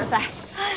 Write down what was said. はい